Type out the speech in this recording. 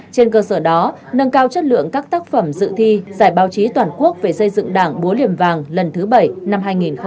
trên cơ sở đó nâng cao chất lượng các tác phẩm dự thi giải báo chí toàn quốc về xây dựng đảng búa liềm vàng lần thứ bảy năm hai nghìn hai mươi